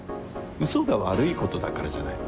嘘が悪いことだからじゃない。